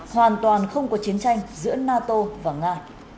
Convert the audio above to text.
hoàn toàn không có chiến tranh giữa nato và nga